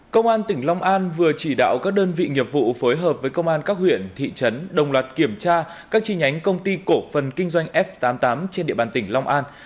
công an tỉnh long an vừa chỉ đạo các đơn vị nghiệp vụ phối hợp với công an các huyện thị trấn đồng loạt kiểm tra các chi nhánh công ty cổ phần kinh doanh f tám mươi tám trên địa bàn tỉnh long an